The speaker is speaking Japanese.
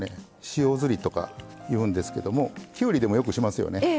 塩ずりとかいうんですけどもきゅうりでもよくしますよね。